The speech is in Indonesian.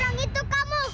orang itu kamu